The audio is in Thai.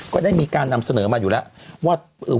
ก็ได้มีการนำเสนอมาอยู่แล้วว่า